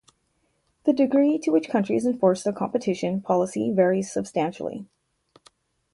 The degree to which countries enforce their competition policy varies substantially.